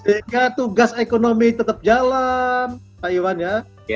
eka tugas ekonomi tetap jalan pak iwan ya